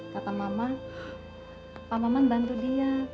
kata mama pak maman bantu dia